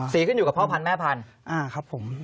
ขึ้นอยู่กับพ่อพันธุ์แม่พันธุ์ครับผม